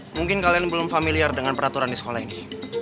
mungkin kalian belum familiar dengan peraturan di sekolah ini